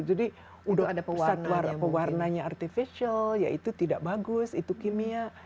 jadi sudah ada pewarna yang artificial ya itu tidak bagus itu kimia